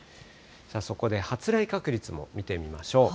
そこで発雷確率も見てみましょう。